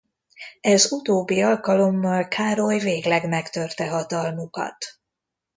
Ez utóbbi alkalommal Károly végleg megtörte hatalmukat.